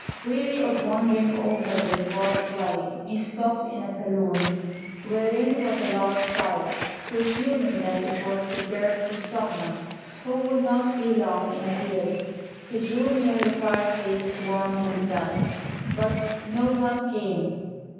Weary of wandering over this vast dwelling, he stopped in a saloon, wherein was a large fire. Presuming that it was prepared for some one, who would not be long in appearing, he drew near the fireplace to warm himself; but no one came.